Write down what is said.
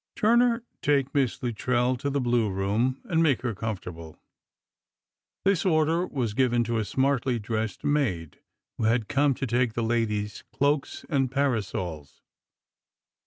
Turner, take Miss Luttrell to the bine room, and make her comfortable." This order was given to a smartly dressed maid, who had come to take the ladies' eloaks and parasols.